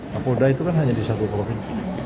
kapolda itu kan hanya di satu provinsi